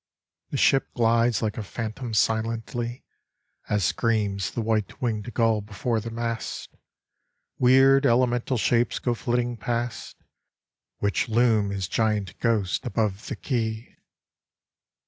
The ship glides like a phantom silently, As screams the white winged gull before the mast; Weird elemental shapes go flitting past, Which loom as giant ghosts above the quay.